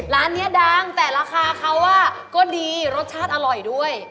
ร้านนี้ดังแต่ราคาเขาก็ดีรสชาติอร่อยด้วย